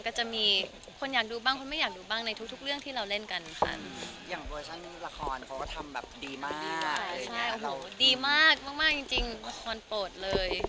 ค่ะแล้วพี่ยอคคิดว่ามันจะท้าทายศิลป์มือเรายังไงบ้างคะสำหรับพระอุโยนนั่งงาน